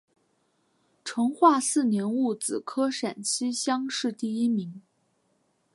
成化四年戊子科陕西乡试第一名。